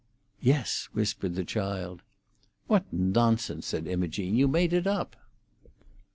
"Yes," whispered the child. "What nonsense!" said Imogene. "You made it up."